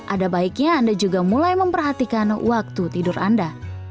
ada baiknya anda juga mulai memperhatikan waktu tidur anda